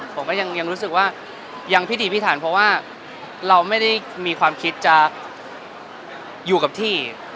ผมก็ยังรู้สึกว่ายังพิธีพิถันเพราะว่าเราไม่ได้มีความคิดจะอยู่กับที่